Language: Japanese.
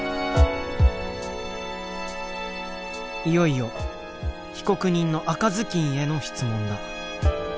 いよいよ被告人の赤ずきんへの質問だ。